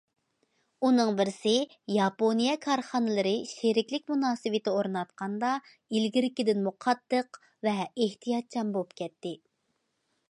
ئۇنىڭ بىرسى، ياپونىيە كارخانىلىرى شېرىكلىك مۇناسىۋىتى ئورناتقاندا، ئىلگىرىكىدىنمۇ قاتتىق ۋە ئېھتىياتچان بولۇپ كەتتى.